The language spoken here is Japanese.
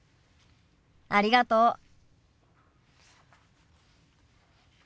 ありがとう。